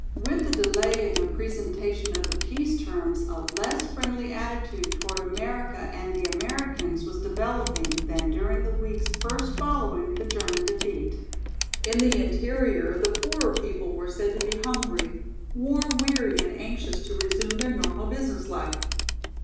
With the delay in the presentation of the peace terms a less friendly attitude toward America and the Americans was developing than during the weeks first following the German defeat. In the interior the poorer people were said to be hungry, war weary and anxious to resume their normal business life.